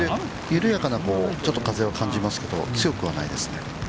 緩やかな風は感じますけど、強くはないですね。